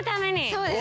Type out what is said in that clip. そうです。